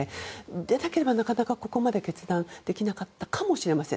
でなければ、なかなかここまで決断できなかったかもしれません。